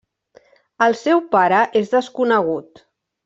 El seu pare és desconegut.